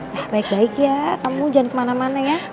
nah baik baik ya kamu jangan kemana mana ya